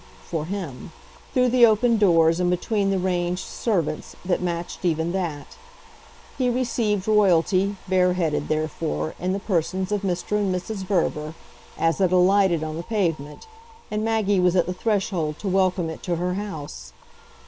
for him, through the open doors and between the ranged servants, that matched even that. He received Royalty, bareheaded, therefore, in the persons of Mr. and Mrs. Verver, as it alighted on the pavement, and Maggie was at the threshold to welcome it to her house.